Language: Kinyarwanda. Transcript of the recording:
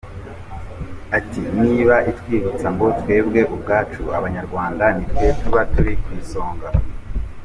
Ati “Ni ibitwibutsa ngo twebwe ubwacu abanyarwanda nitwe tuba turi ku isonga.